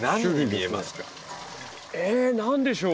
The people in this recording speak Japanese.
え何でしょう？